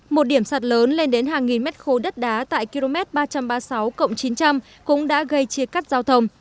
một điểm sạt lớn lên đến hàng nghìn mét khối đất đá tại km ba trăm ba mươi sáu chín trăm linh cũng đã gây chia cắt giao thông